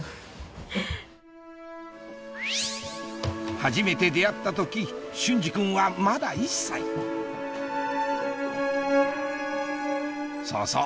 初めて出会った時隼司君はまだ１歳そうそう！